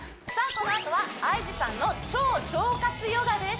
このあとはＩＧさんの超腸活ヨガです